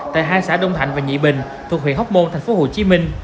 tại hai xã đông thạnh và nhị bình thuộc huyện hóc môn thành phố hồ chí minh